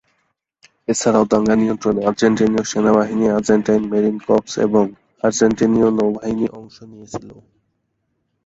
এছাড়াও দাঙ্গা নিয়ন্ত্রণে আর্জেন্টেনীয় সেনাবাহিনী, আর্জেন্টাইন মেরিন কর্পস এবং আর্জেন্টেনীয় নৌবাহিনী অংশ নিয়েছিল।